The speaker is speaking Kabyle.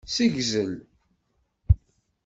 Ssegzel.